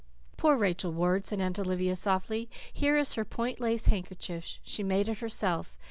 "Poor Rachel Ward," said Aunt Olivia softly. "Here is her point lace handkerchief. She made it herself.